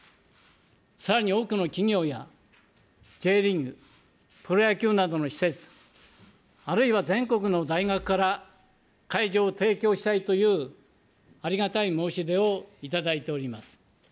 さらに多くの企業やＪリーグ、プロ野球などの施設、あるいは全国の大学から、会場を提供したいというありがたい申し出を頂いております。